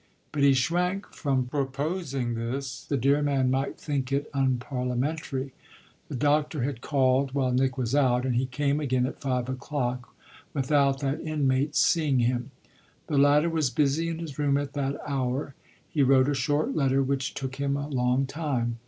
But he shrank from proposing this the dear man might think it unparliamentary. The doctor had called while Nick was out, and he came again at five o'clock without that inmate's seeing him. The latter was busy in his room at that hour: he wrote a short letter which took him a long time.